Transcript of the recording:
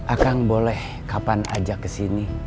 akang boleh kapan ajak ke sini